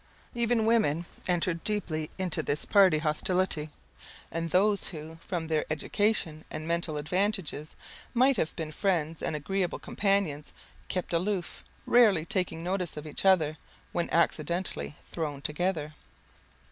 Even women entered deeply into this party hostility; and those who, from their education and mental advantages, might have been friends and agreeable companions, kept aloof, rarely taking notice of each other, when accidentally thrown together.